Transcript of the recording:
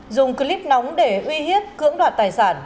dùng clip nóng để uy hiếp cưỡng đoạt tài sản